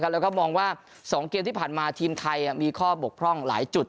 แล้วก็มองว่า๒เกมที่ผ่านมาทีมไทยมีข้อบกพร่องหลายจุด